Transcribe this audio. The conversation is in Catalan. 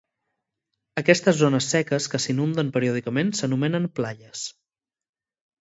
Aquestes zones seques que s'inunden periòdicament s'anomenen "playas".